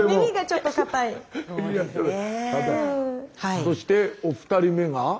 そしてお二人目が？